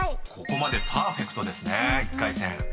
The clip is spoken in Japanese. ここまでパーフェクトですね１回戦］